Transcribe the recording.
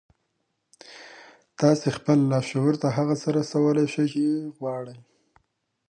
تاسې خپل لاشعور ته هغه څه رسولای شئ چې غواړئ